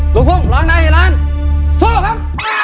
ลูกคุ้งร้อนในหลานสู้ครับ